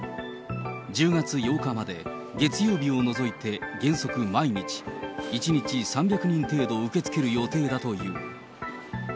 １０月８日まで月曜日を除いて原則毎日、１日３００人程度受け付ける予定だという。